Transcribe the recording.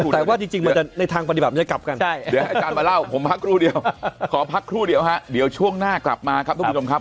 แต่ว่าจริงในทางปฏิบัติมันจะกลับกันขอพักครู่เดียวครับเดี๋ยวช่วงหน้ากลับมาครับท่านผู้ชมครับ